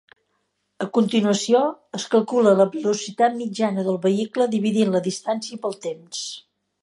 A continuació, es calcula la velocitat mitjana del vehicle dividint la distància pel temps.